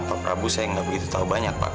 pak prabu saya nggak begitu tahu banyak pak